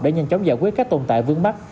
để nhanh chóng giải quyết các tồn tại vướng mắt